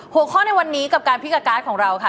หัวข้อในวันนี้กับการพิการ์ดของเราค่ะ